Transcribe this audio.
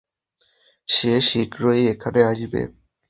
সে শীঘ্রই এখানে আসবে।